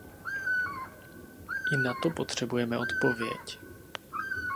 I na to potřebujeme odpověď.